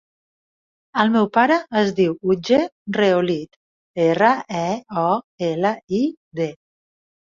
El meu pare es diu Otger Reolid: erra, e, o, ela, i, de.